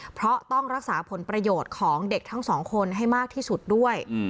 เพราะต้องรักษาผลประโยชน์ของเด็กทั้งสองคนให้มากที่สุดด้วย